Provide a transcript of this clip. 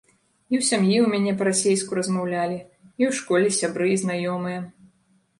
І ў сям'і ў мяне па-расейску размаўлялі, і ў школе сябры і знаёмыя.